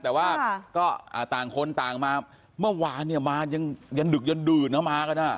แต่ว่าก็ต่างคนต่างมาเมื่อวานเนี่ยมายังดึกยันดื่นนะมากันอ่ะ